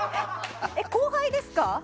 後輩ですか？